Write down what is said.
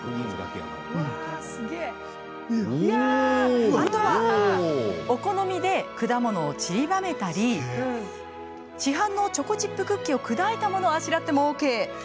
あとは、お好みで果物を散りばめたり市販のチョコチップクッキーを砕いたものを、あしらってもＯＫ。